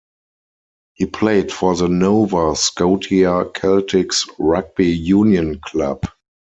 He played for the Nova Scotia Keltics rugby union club.